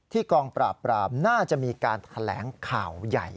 กองปราบปรามน่าจะมีการแถลงข่าวใหญ่